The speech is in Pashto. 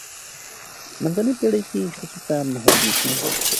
منځنۍ پیړۍ کې ښځو ته محدودیتونه زیات شول.